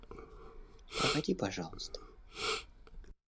Проводи, пожалуйста.